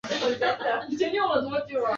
只有中间一段适合高解析通道。